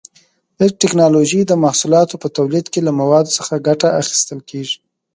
د ټېکنالوجۍ د محصولاتو په تولید کې له موادو څخه ګټه اخیستل کېږي.